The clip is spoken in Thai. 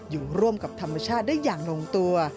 อยู่ร่วมกับธรรมชาติได้อย่างลงตัว